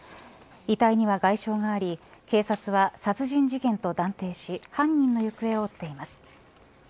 遺体には外傷があり、警察は殺人事件と断定し犯人の行方を追っています。